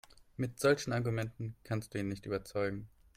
Mit solchen Argumenten kannst du ihn nicht überzeugen.